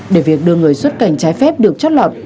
để việc đưa người xuất cảnh trái phép được chót lọt